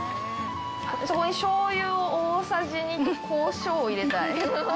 そこにしょうゆを大さじ２とこしょうを入れたい。